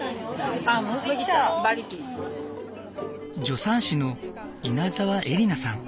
助産師の稲澤エリナさん。